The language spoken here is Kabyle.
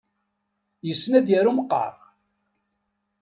Yessen ad yaru meqqar?